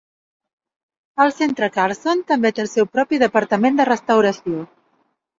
El Centre Carlson també té el seu propi departament de restauració.